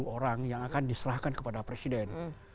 enam orang yang akan diserahkan kepada presiden